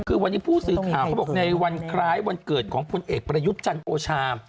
คือวันนี้ผู้สื่อข่าวเขาบอกในวันคล้ายวันเกิดของพลเอกประยุทธ์จันทร์โอชา